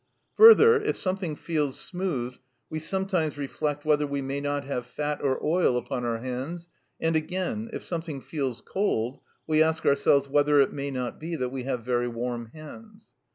Further, if something feels smooth we sometimes reflect whether we may not have fat or oil upon our hands; and again, if something feels cold we ask ourselves whether it may not be that we have very warm hands.